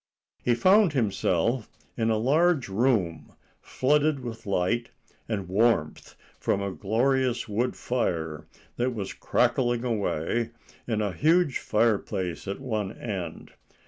He found himself in a large room, flooded with light and warmth from a glorious wood fire that was crackling away in a huge fireplace at one end.